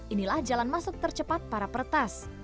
inilah jalan masuk tercepat para peretas